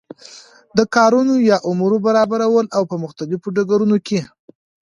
د کارونو یا امورو برابرول او په مختلفو ډګرونو کی